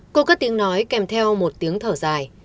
cô có tiếng nói kèm theo một tiếng thở dài